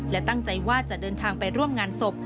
และตั้งใจว่าจะเดินทางไปร่วมงานศพ